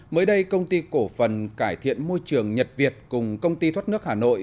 mới đây công ty cổ phần cải thiện môi trường nhật việt cùng công ty thoát nước hà nội